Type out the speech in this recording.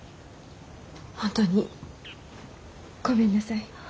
本当にごめんなさい。